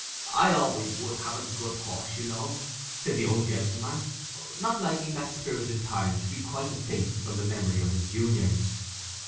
"I always would have a good horse, you know," said the old gentleman, not liking that spirited time to be quite effaced from the memory of his juniors.